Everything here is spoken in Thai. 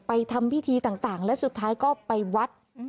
ทำพิธีต่างและสุดท้ายก็ไปวัด